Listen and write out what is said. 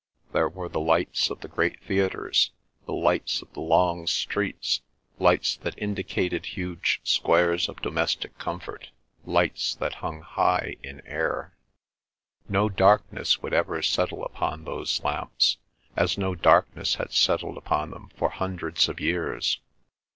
There were the lights of the great theatres, the lights of the long streets, lights that indicated huge squares of domestic comfort, lights that hung high in air. No darkness would ever settle upon those lamps, as no darkness had settled upon them for hundreds of years.